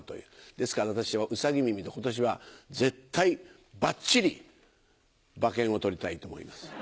ですから私は兎耳で今年は絶対バッチリ馬券を取りたいと思います。